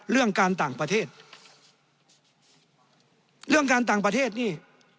เรื่องการต่างประเทศเรื่องการต่างประเทศนี่